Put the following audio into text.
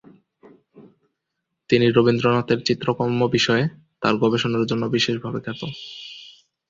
তিনি রবীন্দ্রনাথের চিত্রকর্ম বিষয়ে তার গবেষণার জন্য বিশেষভাবে খ্যাত।